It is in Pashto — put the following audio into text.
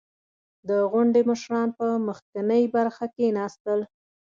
• د غونډې مشران په مخکینۍ برخه کښېناستل.